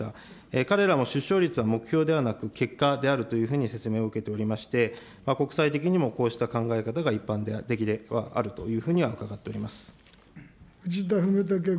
彼らも出生率は目標ではなく、結果であるというふうに説明を受けておりまして、国際的にもこうした考え方が一般的であると藤田文武君。